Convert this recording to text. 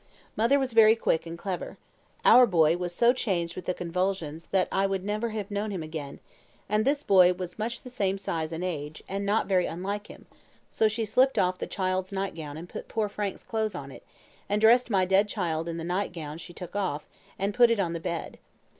Mother was very quick and clever. Our boy was so changed with the convulsions that I would never have known him again; and this boy was much the same size and age, and not very unlike him, so she slipped off the child's nightgown and put poor Frank's clothes on it, and dressed my dead child in the nightgown she took off, and put it in the bed.